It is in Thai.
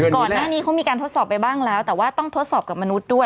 ก่อนหน้านี้เขามีการทดสอบไปบ้างแล้วแต่ว่าต้องทดสอบกับมนุษย์ด้วย